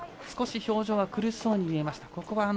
少し表情は苦しそうに見えます。